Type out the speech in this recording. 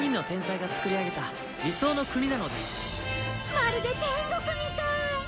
まるで天国みたい！